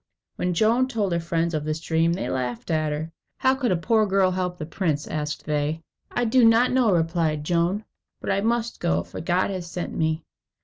When Joan told her friends of this dream, they laughed at her. "How can a poor girl help the prince?" asked they. "I do not know," replied Joan; "but I must go, for God has sent me."